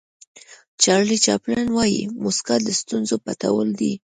چارلي چاپلین وایي موسکا د ستونزو پټول دي.